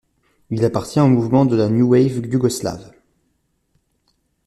Il appartenait au mouvement de la new wave yougoslave.